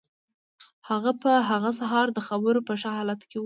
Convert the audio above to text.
هغه په هغه سهار د خبرو په ښه حالت کې و